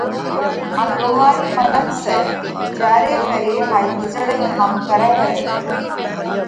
ان ۮوهارِي منک سئہ جيا ري ڪري هائي وِيزۯئِي هم ڪرئه رئِي۔